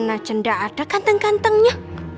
nacen gak ada ganteng gantengnya